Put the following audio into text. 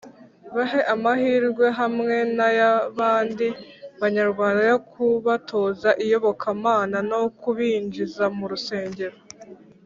Bahe amahirwe hamwe n’ay’abandi Banyarwanda yo kubatoza iyobokamana no kubinjiza mu rusengero